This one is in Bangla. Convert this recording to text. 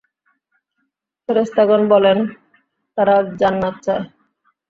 ফেরেশতাগণ বলেনঃ তারা জান্নাত চায়।